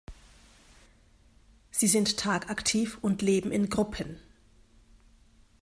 Sie sind tagaktiv und leben in Gruppen.